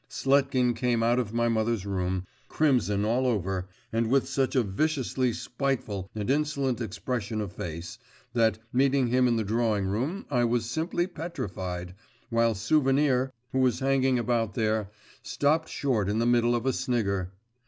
Sletkin came out of my mother's room, crimson all over, and with such a viciously spiteful and insolent expression of face, that, meeting him in the drawing room, I was simply petrified, while Souvenir, who was hanging about there, stopped short in the middle of a snigger.